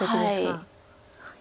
はい。